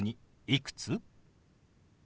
「いくつ？」。